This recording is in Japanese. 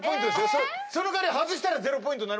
その代わり外したら０ポイント。